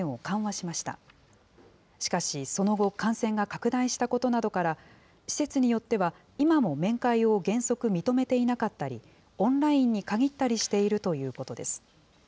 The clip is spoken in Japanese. しかしその後、感染が拡大したことなどから、施設によっては今も面会を原則、認めていなかったり、オンラインに限ったりしているということです。